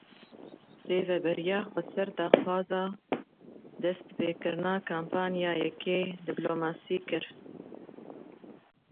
Rêveberiya Xweser daxwaza destpêkirina kampanyayeke dîplomasiyê kir.